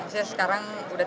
saya sekarang udah capek